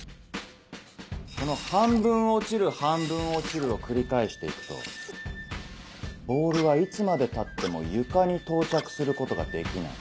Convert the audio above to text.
この半分落ちる半分落ちるを繰り返して行くとボールはいつまでたっても床に到着することができない。